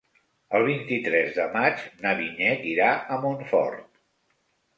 El vint-i-tres de maig na Vinyet irà a Montfort.